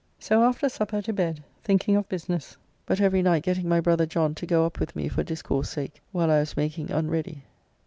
So after supper to bed, thinking of business, but every night getting my brother John to go up with me for discourse sake, while I was making unready.